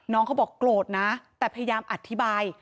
น้องเขาบอกโกรธนะแต่พยายามอธิบาย